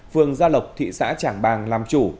tỉnh lộc thị xã trảng bàng làm chủ